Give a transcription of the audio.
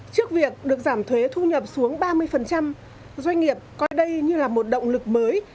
trước việc được giảm thuế thu nhập xuống ba mươi doanh nghiệp coi đây như là một động lực mới